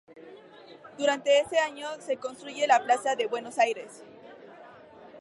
Durante ese año se construye la plaza de buenos aires.